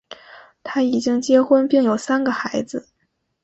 他已经结婚并有三个孩子。